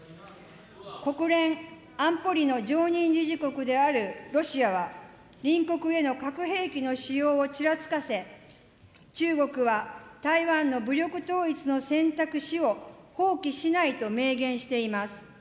国連安保理の常任理事国であるロシアは、隣国への核兵器の使用をちらつかせ、中国は、台湾の武力統一の選択肢を放棄しないと明言しています。